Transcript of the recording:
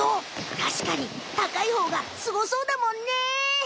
たしかに高いほうがすごそうだもんね。